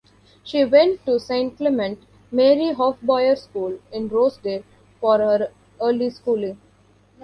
She went to Saint Clement Mary Hofbauer School in Rosedale for her early schooling.